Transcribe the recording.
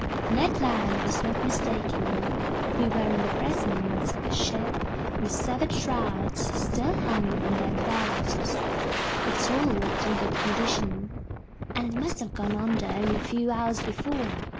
Ned Land was not mistaken. We were in the presence of a ship whose severed shrouds still hung from their clasps. Its hull looked in good condition, and it must have gone under only a few hours before.